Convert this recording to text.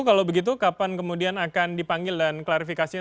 kalau begitu kapan kemudian akan dipanggil dan klarifikasinya